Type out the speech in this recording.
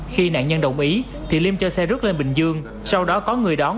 khi nạn nhân đồng ý thì liêm cho xe rút lên bình dương sau đó có người đón